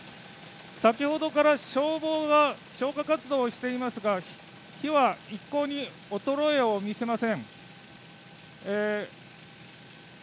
先ほどから消防が消火活動をしていますが火は、一向に衰えを見せません。